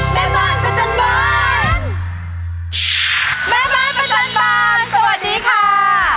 เม้บ้านประจันบานสวัสดีค่า